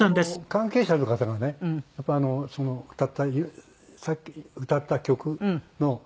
関係者の方がねさっき歌った曲の。